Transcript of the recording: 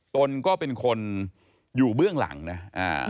ตนก็เป็นคนอยู่เบื้องหลังนะอ่า